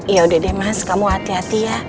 yaudah deh mas kamu hati hati ya